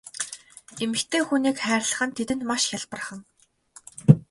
Эмэгтэй хүнийг хайрлах нь тэдэнд маш хялбархан.